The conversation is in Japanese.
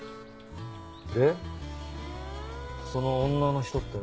でその女の人って？